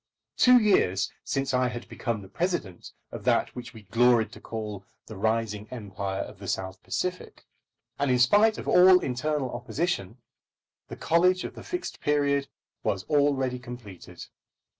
Two years since I had become the President of that which we gloried to call the rising Empire of the South Pacific. And in spite of all internal opposition, the college of the Fixed Period was already completed.